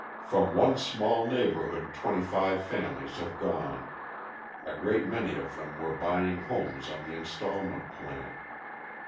From one small neighbourhood twenty five families have gone. A great many of them were buying homes on the instalment plan.